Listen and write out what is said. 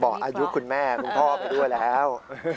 อายุคุณแม่คุณพ่อไปด้วยแล้ว